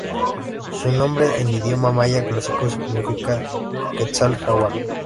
Su nombre en idioma maya clásico significa "Quetzal Jaguar".